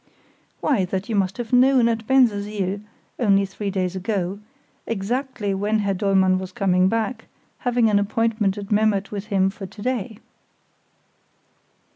"Why, that you must have known at Bensersiel—only three days ago—exactly when Herr Dollmann was coming back, having an appointment at Memmert with him for to day."